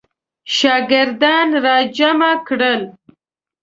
شاګردان را جمع کړل.